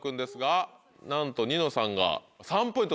なんと。